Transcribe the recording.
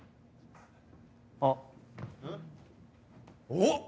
おっ！